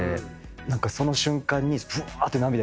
何かその瞬間に。